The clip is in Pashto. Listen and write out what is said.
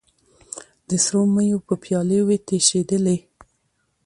د سرو میو به پیالې وې تشېدلې